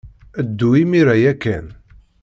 Ddu imir-a ya kan.